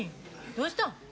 どうした？